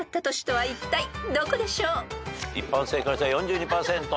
一般正解率は４２％。